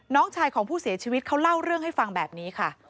น้องชายของผู้เสียชีวิตเขาเล่าเรื่องให้ฟังแบบนี้ค่ะ